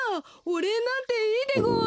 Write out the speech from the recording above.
おれいなんていいでごわ。